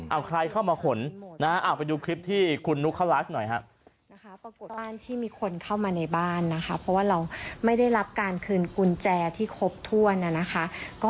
เอาใครเข้ามาขนเอาไปดูคลิปที่คุณนุคลักษณ์หน่อย